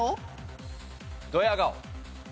どや顔。